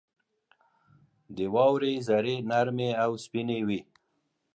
• د واورې ذرې نرمې او سپینې وي.